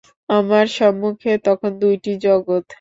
আমার সম্মুখে তখন দুইটি জগৎ।